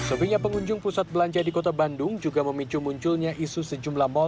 sebelumnya pengunjung pusat belanja di kota bandung juga memicu munculnya isu sejumlah mal